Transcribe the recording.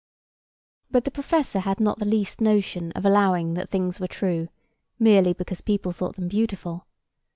But the professor had not the least notion of allowing that things were true, merely because people thought them beautiful.